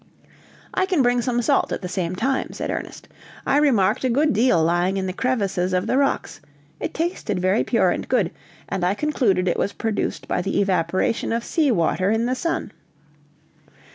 "I can bring some salt at the same time," said Ernest, "I remarked a good deal lying in the crevices of the rocks; it tasted very pure and good, and I concluded it was produced by the evaporation of sea water in the sun."